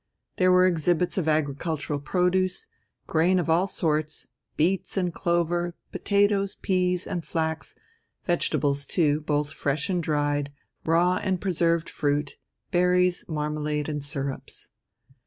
There were exhibits of agricultural produce, grain of all sorts, beets and clover, potatoes, peas, and flax; vegetables, too, both fresh and dried; raw and preserved fruit; berries, marmalade, and syrups.